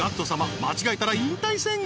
間違えたら引退宣言？